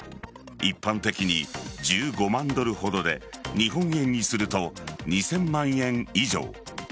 一般的に１５万ドルほどで日本円にすると２０００万円以上。